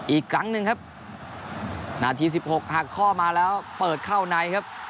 อีกครั้งหนึ่งครับนาทีสิบหกหักข้อมาแล้วเปิดเข้าในครับ